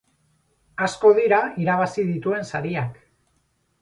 Asko dira irabazi dituen sariak.